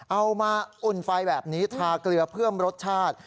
เอามาอุ่นไฟแบบนี้ทาเกลือเพิ่มรสชาติ